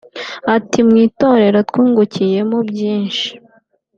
Ati “Mu itorero twungukiyemo byinshi